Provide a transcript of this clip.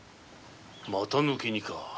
また抜け荷か。